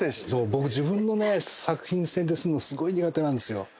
僕自分のね作品宣伝すんのすごい苦手なんですよ。